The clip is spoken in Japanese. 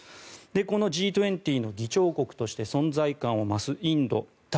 このＧ２０の議長国として存在感を増すインド脱